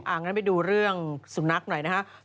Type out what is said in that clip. งั้นไปดูเรื่องสุนัขหน่อยนะครับ